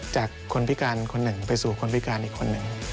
จากคนพิการคนหนึ่งไปสู่คนพิการอีกคนหนึ่ง